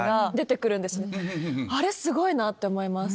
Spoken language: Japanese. あれすごいなって思います。